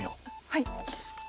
はい。